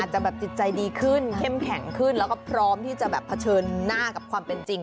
จะแบบจิตใจดีขึ้นเข้มแข็งขึ้นแล้วก็พร้อมที่จะแบบเผชิญหน้ากับความเป็นจริง